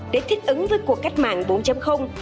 để thích ứng với cuộc cách mạng bốn